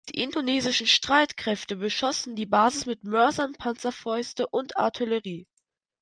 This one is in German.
Die indonesischen Streitkräfte beschossen die Basis mit Mörsern, Panzerfäuste und Artillerie.